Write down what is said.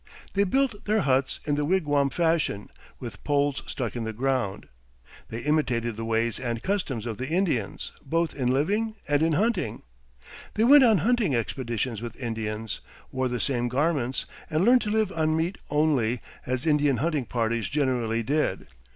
They built their huts in the wigwam fashion, with poles stuck in the ground. They imitated the ways and customs of the Indians, both in living and in hunting. They went on hunting expeditions with Indians, wore the same garments, and learned to live on meat only, as Indian hunting parties generally did.